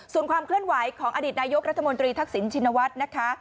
ส่วนความเคลื่อนไหวของอดีตนายกรัฐมนตรีทักษิณชินวัฒน์นะคะ